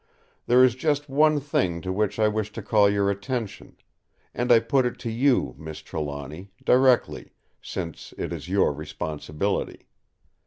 There is just one thing to which I wish to call your attention; and I put it to you, Miss Trelawny, directly, since it is your responsibility.